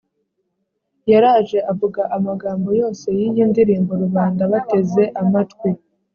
yaraje avuga amagambo yose y’iyi ndirimbo, rubanda bateze amatwi.